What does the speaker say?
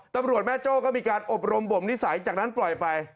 ตำรวจแม่โจ้ก็มีการอบรมบ่มนิสัยจากนั้นปล่อยไป